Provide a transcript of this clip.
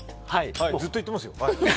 ずっと言ってますよ。